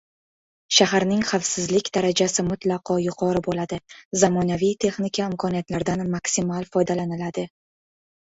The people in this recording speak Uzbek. Shaharning xavfsizlik darajasi mutlaqo yuqori boʻladi, zamonaviy texnika imkoniyatlaridan maksimal foydalaniladi.